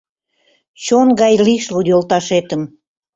Чон гай лишыл йолташетым